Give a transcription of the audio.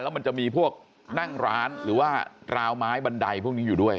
มันจะมีพวกนั่งร้านหรือว่าราวไม้บันไดพวกนี้อยู่ด้วย